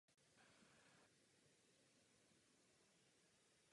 Chrám je nejznámější památkou v městečku a ročně ho navštíví stovky lidí.